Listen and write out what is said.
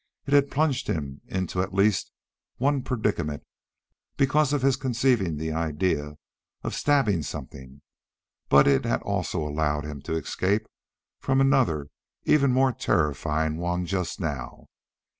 It had plunged him into at least one predicament because of his conceiving the idea of stabbing something, but it had also allowed him escape from another even more terrifying one just now.